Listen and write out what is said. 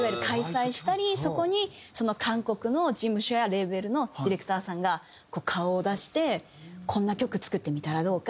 そこに韓国の事務所やレーベルのディレクターさんがこう顔を出してこんな曲作ってみたらどうか？